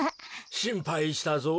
しんぱいしたぞ。